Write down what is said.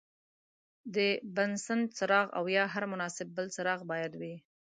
د بنسن څراغ او یا هر مناسب بل څراغ باید وي.